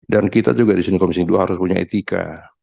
dan kita juga disini komisi dua harus punya etika